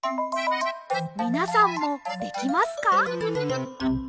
みなさんもできますか？